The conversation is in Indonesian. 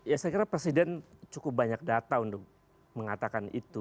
ya saya kira presiden cukup banyak data untuk mengatakan itu